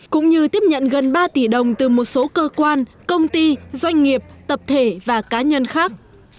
cũng như tiếp nhận gần ba tỷ đồng từ một số cơ quan công ty doanh nghiệp tập thể và cá nhân khác